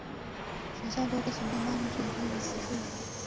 学校多个行政办公室也位于此处。